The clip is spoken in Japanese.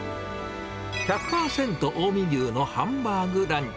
１００％近江牛のハンバーグランチ。